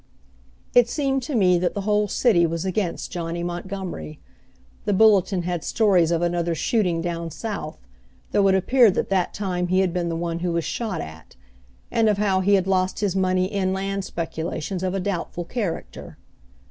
It seemed to me that the whole city was against Johnny Montgomery. The Bulletin had stories of another shooting down South, though it appeared that that time he had been the one who was shot at; and of how he had lost his money in land speculations of a doubtful character.